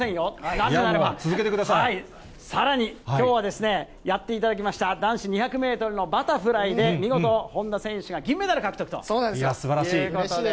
なぜならば、さらに、きょうはやっていただきました、男子２００メートルのバタフライで、見事、本多選手が銀メダル獲得ということで。